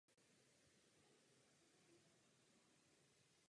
Obratiště za stanicí bylo zbudováno prostorově velkoryse.